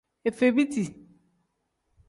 Afebiiti.